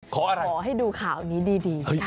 ขอให้ดูข่าวนี้ดี